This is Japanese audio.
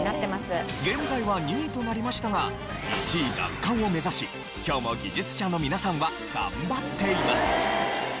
現在は２位となりましたが１位奪還を目指し今日も技術者の皆さんは頑張っています。